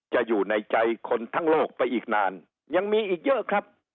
อยู่ในใจคนทั้งโลกไปอีกนานยังมีอีกเยอะครับ